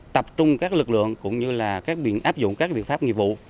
tập trung các lực lượng cũng như là các biện áp dụng các biện pháp nghiệp vụ